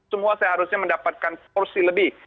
semua seharusnya mendapatkan porsi lebih